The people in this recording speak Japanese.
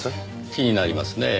気になりますねぇ。